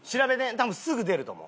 多分すぐ出ると思う。